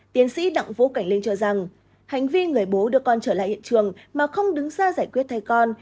tiến sĩ đặng vũ cảnh linh cho rằng hành vi người bố đưa con trở lại hiện trường mà không đứng ra giải quyết thay con